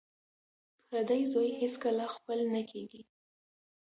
پردی زوی هېڅکله خپل نه کیږي